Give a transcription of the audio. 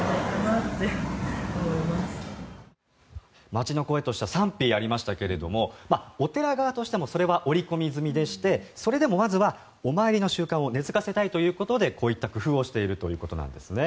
街の声としては賛否ありましたけどもお寺側としてもそれは織り込み済みでしてそれでもまずはお参りの習慣を根付かせたいということでこういった工夫をしているということなんですね。